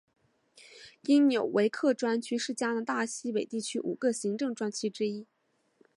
因纽维克专区是加拿大西北地区五个行政专区之一。